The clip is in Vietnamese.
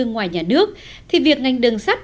ngoài nhà nước thì việc ngành đường sắt